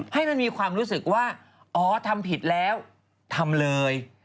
ให้มันมีความรู้สึกว่าอ๋อทำผิดแล้วทำเลย